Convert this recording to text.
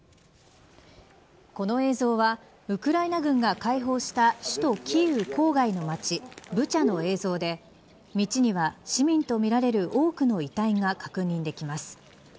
この映像はウクライナ軍が解放した首都キーウ郊外の町ブチャの映像で道には市民とみられる多くの遺体が確認できます。